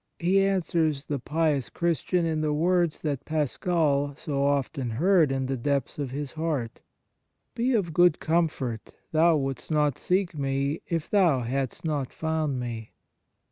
He answers the pious Christian in the^words that Pascal so often heard in tne depths of his heart :" Be of good comfort ; thou wouldst not seek Me, if thou hadst not found Me